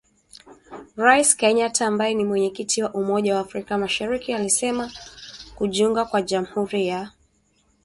Rais Kenyatta ambaye ni Mwenyekiti wa umoja wa afrika mashariki alisema kujiunga kwa Jamuhuri ya Demokrasia ya Kongo